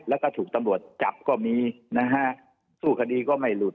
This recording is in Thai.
แล้วก็ถูกตำรวจจับก็มีนะฮะสู้คดีก็ไม่หลุด